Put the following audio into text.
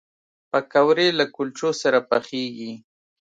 پکورې له کلچو سره پخېږي